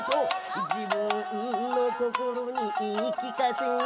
「自分の心に言い聞かせ」